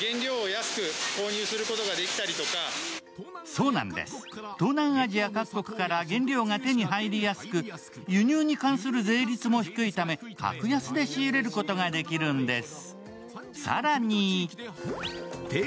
そうなんです、東南アジア各国から原料が手に入りやすく輸入に関する税率も低いため、格安で仕入れることができるんです。